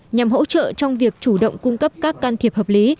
nhằm hỗ trợ trong việc chủ động cung cấp các can thiệp hợp lý